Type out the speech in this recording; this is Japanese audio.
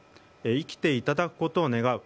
生きていただくことを願う